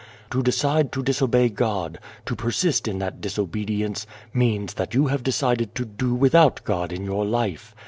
To decide to disobey God, to persist in that disobedience, means that you have decided to do without God in your life.